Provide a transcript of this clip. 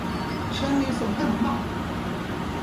Känn er som hemma!